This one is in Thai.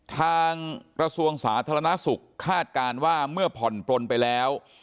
กระทรวงสาธารณสุขคาดการณ์ว่าเมื่อผ่อนปลนไปแล้ว